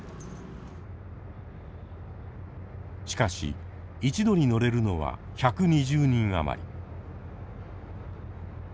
しかし一度に乗れるのは１２０人余り。